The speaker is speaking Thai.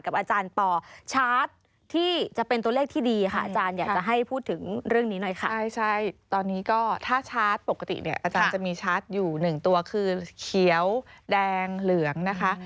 กับอาจารย์ต่อชาร์จที่จะเป็นตัวเลขที่ดีค่ะ